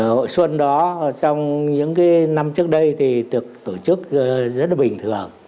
hội xuân đó trong những năm trước đây thì được tổ chức rất là bình thường